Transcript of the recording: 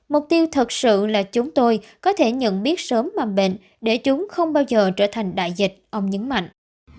mục tiêu thật sự là chúng tôi có thể nhận biết sớm mầm bệnh để chúng không bao giờ trở thành đại dịch ông nhấn mạnh